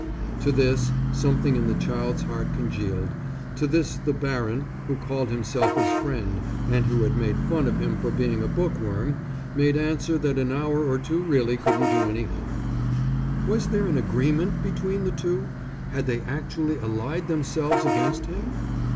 To this something in the child's heart congealed to this the baron, who called himself his friend and who had made fun of him for being a bookworm, made answer that an hour or two really couldn't do any harm. Was there an agreement between the two? Had they actually allied themselves against him?